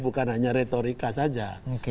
bukan hanya retorika saja